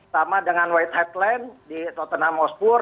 sama dengan white hat land di tottenham hotspur